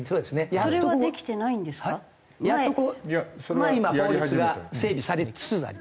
やっと今法律が整備されつつあります。